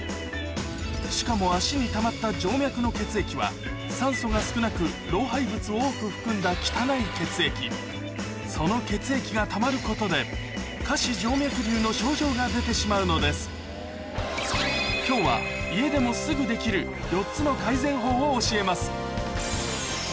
しかも足にたまった静脈の血液は酸素が少なく老廃物を多く含んだ汚い血液その血液がたまることで下肢静脈瘤の症状が出てしまうのです今日は家でもすぐできる４つの改善法を教えます